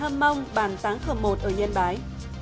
cuộc sống mới của người hâm mong bàn táng khờ một ở nhiên bái